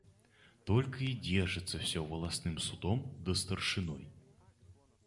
Только и держится всё волостным судом да старшиной.